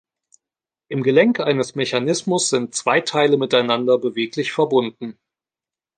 Im Gelenk eines Mechanismus sind zwei Teile miteinander beweglich verbunden.